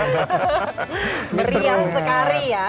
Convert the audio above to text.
meriah sekali ya di sana ya